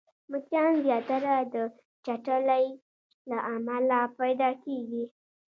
مچان زياتره د چټلۍ له امله پيدا کېږي